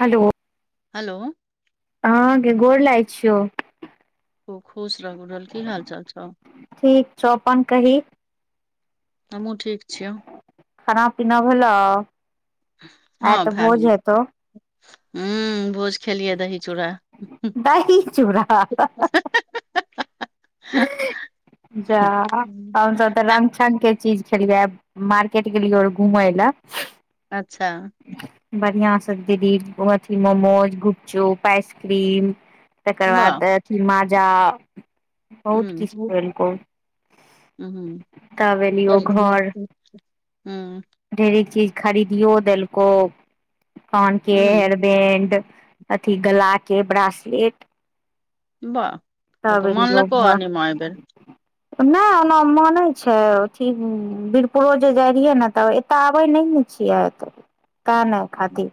Hello. Hello. हं गे गोर लागै छियौ। खूब खुश र गुडल की हाल चाल छौ। ठीक छौ अपन कही हमहूँ ठीक छियौ। खाना पीना भेलो आई तऽ भोज हेतौ। हूं भोज खेलियै दही चूड़ा। दही चूड़ा हा हा। जा हूँ हमसब त रंछन के। चीज खेलियै मार्केट गेलियै आर घुमय लए। अच्छा। बढ़िआं सँ दीदी अो अथि मोमोज गुपचुप आइसक्रीम। तकर वाह बाद ए अथी माजा बहुत किछ खुऐलको। हं एलियो हँ। ढेरीक चीज खरीदियओ देलको -कानके हेयर बैंड। अथी गला के ब्रासलेट। बाह - ह तब तऽ मानलको आ नई मा एबर। त नै ओना मानै छै अथी उ वीरपुरो जे जाइ रहियै ने तऽ। तऽ आबै नहि ने छियै त काने खातिर।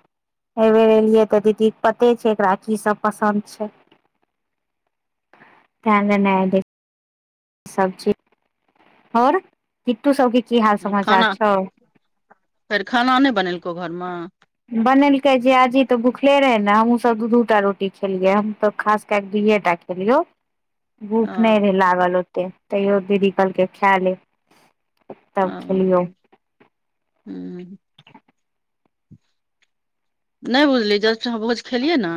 एहिबेर एलियै तऽ दीदी पते छै एकरा की सब पसन्द छै। त नेने एलिइ। सब चीज। और। कीट्टू सबके की हाल समाचार खाना छौ। फेर खाना नहि बनेलकौ घरमे बनेलकै जियाजी तऽ भुखले रहै ने, हमहुू सभ दू- दूटा रोटी खेलियै हमसब खास के दुएटा खेलियो। भूख नै अ रहै लागल ओतै, तैयो दीदी कहलकै खैए ले। तब आं खेलियौ हूं। नै बुझलिय जस्ट अहाँ भोज खेलियै न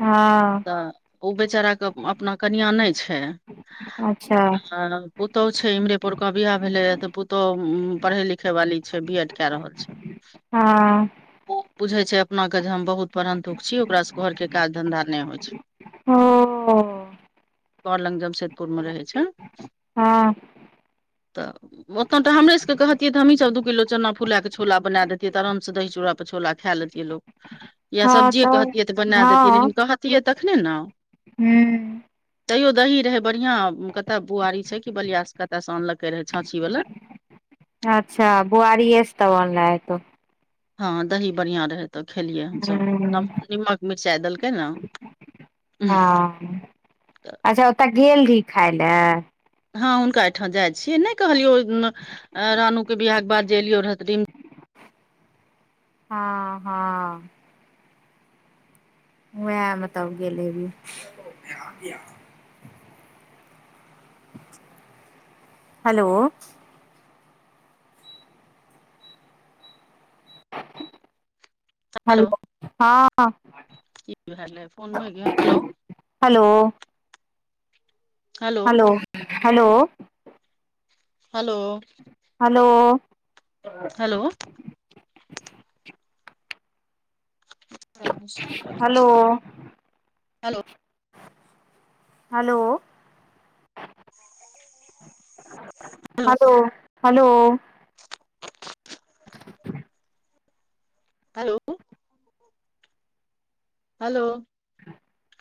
हँ तऽ ओ बेचाराके अपना कनियां नै छै। अच्छा! पुतौहु छै इम्हरे पोंरका बियाह भेले ते, पुतोहु पढ़े लिखे वाली छै, बी एड कैऽ रहल छै। ह हँऽ। बुझै छै अपनाके जे, हम बहुत पढ़न्तुक छी, ओकरासँ घरके काज धन्धा नहि होइ छै। ओऽ। बर लग जमशेदपुर में रहै छै। हँ तऽ। ओतय तऽ हमरे सबके कहतिय तऽ हमी सब दू किलो चना फुला के छोला बना देतियै, तऽ आराम से दही चूड़ाे पर छोला खै लेतयै लोक या हँ सब्जी कहतियै तऽ बना देतियै, लेकिन हँ कहतियै तखने नऽ। हूँ तैयो दही रहे बढ़िया, कतय बुआरी छै, कि बलियाासॅ कतय से आनलकै रहे छाँछी वाला। अच्छा बुआरियएसँ तब अनने हेतौ। हँ दही बढ़िया रहै। तऽ खेलियै हमसब, हूँ नीमक मिरचाइ देलकै ने। हँ अच्छा ओतऽ गेल रही खाइ लए। हँ हुनका ठाॅं जाइ छियै, नै कहलियौ रानु के बियाह के बाद जे एलियो रिम हँ- हँ। उएह मऽ तब गेल हेबही। हेलो। हेलो हँ। की भै फोन में hello. Hello. Hello- hello. Hello. Hello. Hello. Hello. Hello. Hello. Hello- hello. Hello. Hello. ह